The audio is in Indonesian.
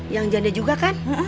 yang janda juga kan